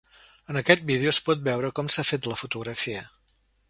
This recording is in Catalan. En aquest vídeo es pot veure com s’ha fet la fotografia.